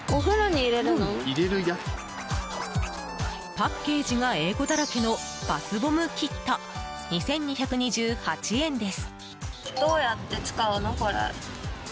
パッケージが英語だらけのバスボムキット、２２２８円です。